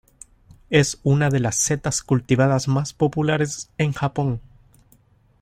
Es una de las setas cultivadas más populares en Japón.